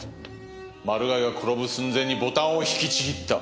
マルガイが転ぶ寸前にボタンを引きちぎった。